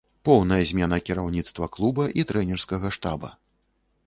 Поўная змена кіраўніцтва клуба і трэнерскага штаба.